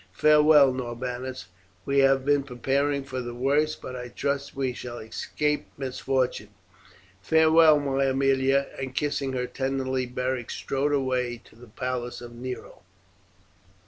Farewell, Norbanus; we have been preparing for the worst, but I trust we shall escape misfortune. Farewell, my Aemilia!" and kissing her tenderly Beric strode away to the palace of Nero.